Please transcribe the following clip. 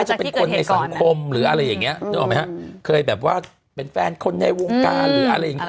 นะคะเพื่อเป็นแฟนคนนี้งานี่ยง